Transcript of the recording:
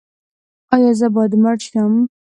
ایا زه باید مړ شم؟